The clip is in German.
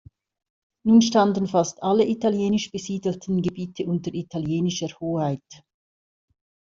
Nun standen fast alle italienisch besiedelten Gebiete unter italienischer Hoheit.